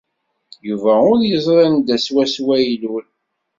Yuba ur yeẓri anda swaswa ay ilul.